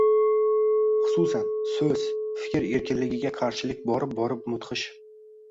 Xususan, so‘z, fikr erkinligiga qarshilik borib-borib mudhish